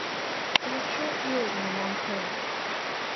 They have short ears and a long tail.